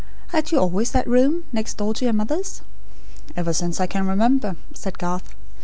Had you always that room, next door to your mother's?" "Ever since I can remember," said Garth.